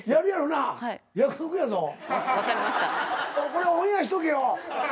これオンエアしとけよ。